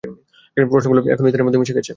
প্রশ্নগুলো এখন ইথারের মধ্যে মিশে গেছে।